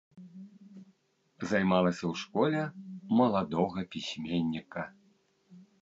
Займалася ў школе маладога пісьменніка.